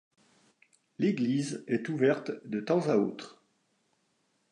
L'église est ouverte de temps à autre.